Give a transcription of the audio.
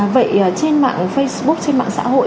vậy trên mạng facebook trên mạng xã hội